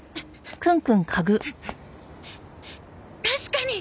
確かに！